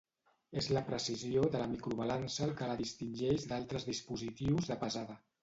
És la precisió de la microbalança el que la distingeix d'altres dispositius de pesada.